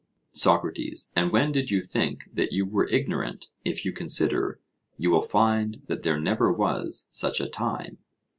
SOCRATES: And when did you think that you were ignorant if you consider, you will find that there never was such a time?